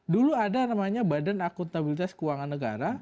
dulu ada namanya badan akuntabilitas keuangan negara